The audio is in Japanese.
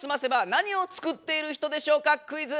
なにを作っている人でしょうかクイズ！